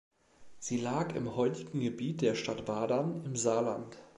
Sie lag im heutigen Gebiet der Stadt Wadern im Saarland.